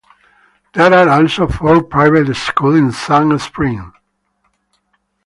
There are also four Private Schools in Sand Springs.